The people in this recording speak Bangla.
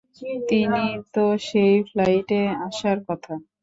তিনি তো সেই ফ্লাইটে আসার কথা।